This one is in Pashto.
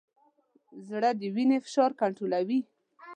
زړه د وینې فشار کنټرولوي.